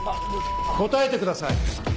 答えてください！